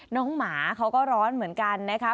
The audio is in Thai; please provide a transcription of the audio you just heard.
น้องหมาเขาก็ร้อนเหมือนกันนะครับ